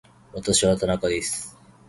私は田中です